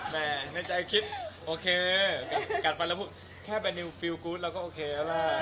ไปจากที่สร้างอันนั้นเลย